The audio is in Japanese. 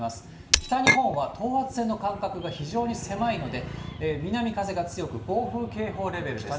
北日本は等圧線の間隔が非常に狭いので、南風が強く、暴風警報レベルです。